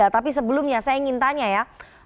tapi sebelumnya saya ingin tanya ya